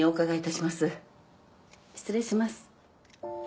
失礼します。